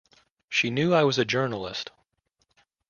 She knew I was a journalist.